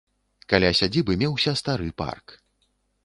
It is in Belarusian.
Каля сядзібы меўся стары парк.